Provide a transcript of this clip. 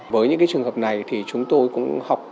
với những trường hợp này thì chúng tôi cũng học